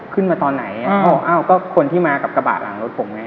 ตอนไหนอ้าวก็คนที่มากับกระบะหลังรถผมไง